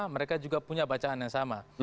mereka juga punya bacaan yang sama